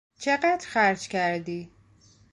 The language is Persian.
چقدر خرج کردی؟